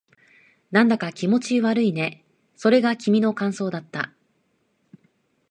なんだか気持ち悪いね。それが君の感想だった。